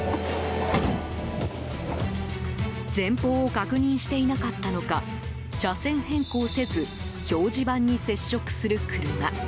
前方を確認していなかったのか車線変更せず表示板に接触する車。